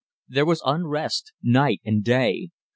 There was unrest night and day.